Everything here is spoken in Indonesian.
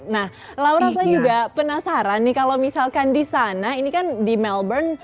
nah laura saya juga penasaran nih kalau misalkan di sana ini kan di melbourne